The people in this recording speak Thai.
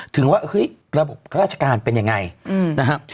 ถึงว่าเฮ้ยระบบราชการเป็นยังไงนะครับ